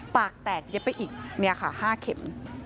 ปากแตกเย็บไปอีก๕เข็ม